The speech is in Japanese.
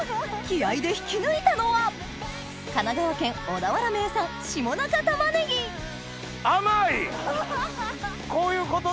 気合で引き抜いたのは神奈川県小田原名産下中玉ねぎ甘い！